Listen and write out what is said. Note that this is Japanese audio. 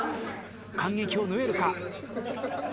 間隙を縫えるか？